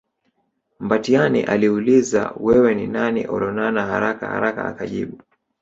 Mbatiany aliuliza wewe ni nani Olonana haraka haraka akajibu